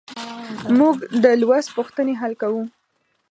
موږ د لوست پوښتنې حل کوو.